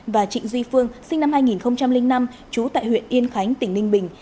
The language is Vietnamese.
và trịnh duy phương sinh năm hai nghìn năm trú tại huyện yên khánh tỉnh ninh bình